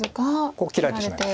ここ切られてしまいます。